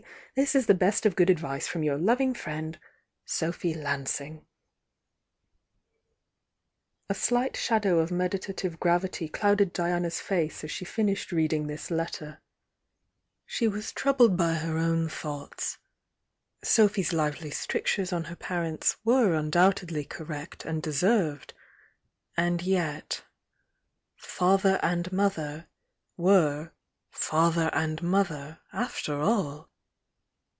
This is the best of good advice from your loving friend, "Sophy Lansing " A ^ight shadow of meditative gravity clouded Diana's face as she finished reading this letter. She THE YOUNG DIANA 88 was troubled by 1. ; own tho r^ts; Sophy's lively strictures on her rirrnts wRrc undoubtedly correct and deserved, — anil .^ct — "fati er and mother" were "father and mother'" after ell!